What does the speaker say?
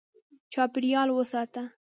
چاپېریال وساته.